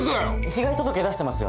被害届出してますよね？